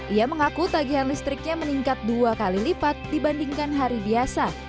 ia mengaku tagihan listriknya meningkat dua kali lipat dibandingkan hari biasa